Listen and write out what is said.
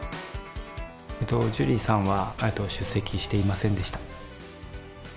ジュリーさんは出席していませんでした。